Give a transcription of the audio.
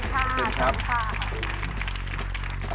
สวัสดีค่ะสวัสดีค่ะ